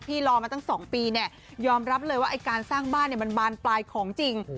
รอมาตั้ง๒ปีเนี่ยยอมรับเลยว่าไอ้การสร้างบ้านมันบานปลายของจริง